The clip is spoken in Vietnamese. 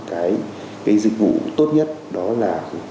cái dịch vụ tốt nhất đó là